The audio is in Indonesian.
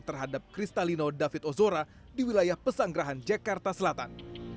terhadap kristalino david ozora di wilayah pesanggerahan jakarta selatan